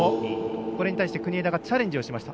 これに対して国枝がチャレンジをしました。